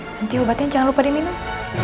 nanti obatnya jangan lupa diminum